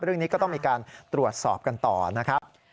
เรื่องนี้ก็ต้องมีการตรวจสอบกันต่อนะครับ